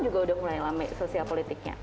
juga udah mulai rame sosial politiknya